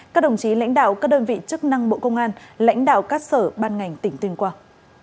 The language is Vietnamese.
các đồng chí lãnh đạo các đơn vị chức năng bộ công an lãnh đạo các sở ban ngành tỉnh tuyên quang